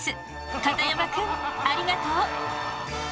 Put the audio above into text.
片山くんありがとう！